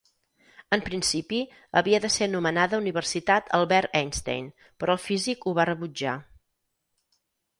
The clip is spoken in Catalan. En principi, havia de ser anomenada Universitat Albert Einstein, però el físic ho va rebutjar.